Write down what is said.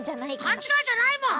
かんちがいじゃないもん！